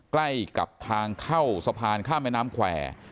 ใกล้กับทางเข้าสะพานข้ามแม่น้ำแควร์